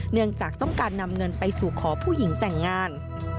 เนื่องจากต้องการนำเงินไปสู่ขอผู้หญิงแต่งงาน